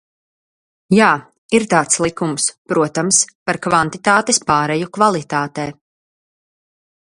Jā, ir tāds likums, protams, par kvantitātes pāreju kvalitātē.